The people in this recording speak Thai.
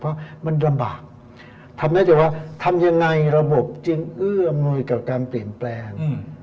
เพราะมันลำบากทำได้แต่ว่าทำยังไงระบบจึงเอื้ออำนวยกับการเปลี่ยนแปลง